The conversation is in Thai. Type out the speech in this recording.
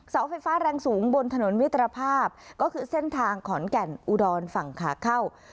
เสาไฟฟ้าแรงสูงบนถนนมิตรภาพก็คือเส้นทางขอนแก่นอุดรฝั่งขาเข้า